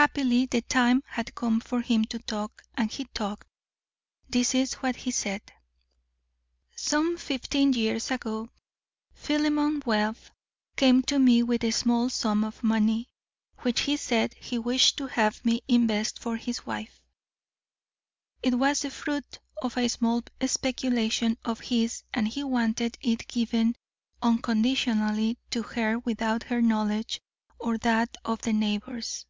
Happily, the time had come for him to talk, and he talked. This is what he said: "Some fifteen years ago Philemon Webb came to me with a small sum of money, which he said he wished to have me invest for his wife. It was the fruit of a small speculation of his and he wanted it given unconditionally to her without her knowledge or that of the neighbours.